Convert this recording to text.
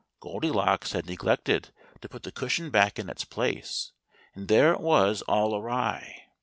Goldilocks had neglected to put the cushion back in its place, and there it was all awry.